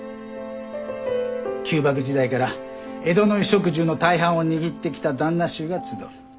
旧幕時代から江戸の衣食住の大半を握ってきた檀那衆が集う。